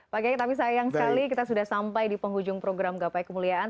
pak gaya tapi sayang sekali kita sudah sampai di penghujung program gapai kemuliaan